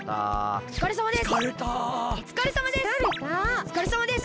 おつかれさまです！